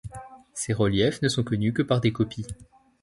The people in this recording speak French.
Ces reliefs ne sont connus que par des copies.